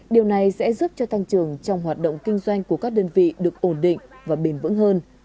điều này sẽ giúp cho tăng trưởng trong hoạt động kinh doanh của các đơn vị được ổn định và bền vững hơn